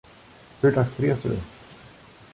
Hur dags reser du?